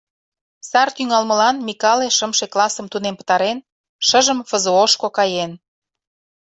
Сар тӱҥалмылан Микале шымше классым тунем пытарен, шыжым ФЗО-шко каен.